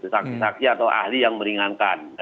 saksi saksi atau ahli yang meringankan